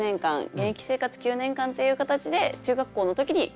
現役生活９年間っていう形で中学校の時に終わったんですよ。